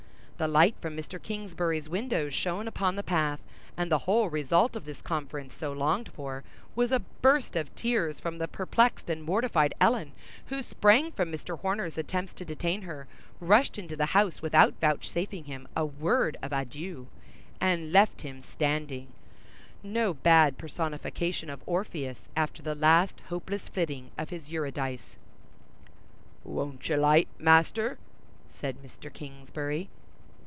The light from Mr. Kingsbury's windows shone upon the path, and the whole result of this conference so longed for, was a burst of tears from the perplexed and mortified Ellen, who sprang from Mr. Horner's attempts to detain her, rushed into the house without vouchsafing him a word of adieu, and left him standing, no bad personification of Orpheus, after the last hopeless flitting of his Eurydice. "Won't you 'light, Master?" said Mr. Kingsbury.